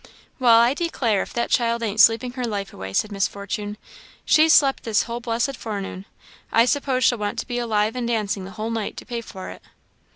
"Well, I declare if that child ain't sleeping her life away!" said Miss Fortune. "She's slept this whole blessed forenoon; I suppose she'll want to be alive and dancing the whole night, to pay for it."